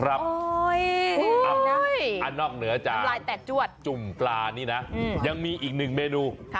อันนอกเหนือจากจุ่มกลานนี่นะยังมีอีกนึงเมนู